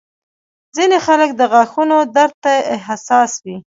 ځینې خلک د غاښونو درد ته حساس وي.